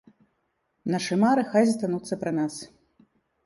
Нашы мары хай застануцца пры нас.